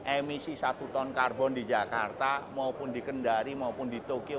emisi satu ton karbon di jakarta maupun di kendari maupun di tokyo